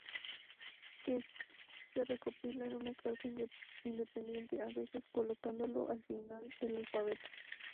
Que se recopila en una carta independiente, a veces, colocándolo al final del alfabeto.